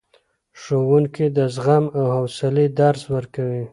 ښوونکي د زغم او حوصلې درس ورکوي.